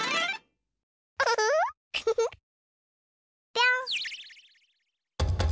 ぴょん。